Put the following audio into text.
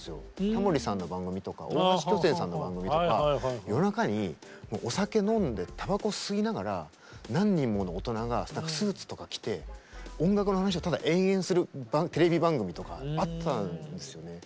タモリさんの番組とか大橋巨泉さんの番組とか夜中にお酒飲んでタバコ吸いながら何人もの大人がスーツとか着て音楽の話をただ延々するテレビ番組とかあったんですよね。